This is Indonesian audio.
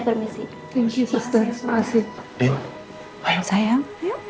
permisi tinggi pastor masih sayang